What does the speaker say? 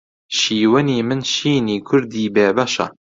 شیوەنی من شینی کوردی بێ بەشە